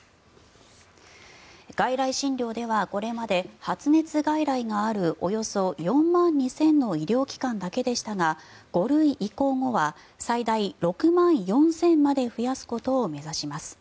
外来診療ではこれまで発熱外来があるおよそ４万２０００の医療機関だけでしたが５類移行後は最大６万４０００まで増やすことを目指します。